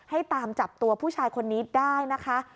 ให้ตามจับตัวผู้ชายคนนี้ได้นะคะ